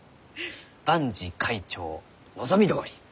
万事快調望みどおり！